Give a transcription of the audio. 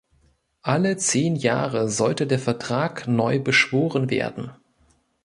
Alle zehn Jahre sollte der Vertrag neu beschworen werden.